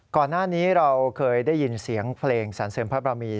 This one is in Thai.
ก่อนหน้านี้เราเคยได้ยินเสียงเพลงสรรเสริมพระบรมี